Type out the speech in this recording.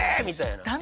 みたいな。